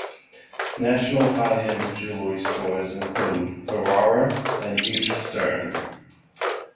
National high end jewelry stores include Vivara and H Stern.